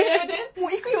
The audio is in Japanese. もう行くよ！